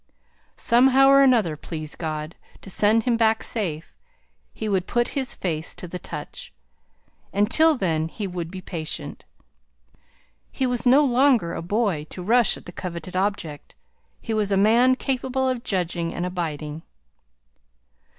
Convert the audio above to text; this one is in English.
Somehow or another, please God to send him back safe, he would put his fate to the touch. And till then he would be patient. He was no longer a boy to rush at the coveted object; he was a man capable of judging and abiding.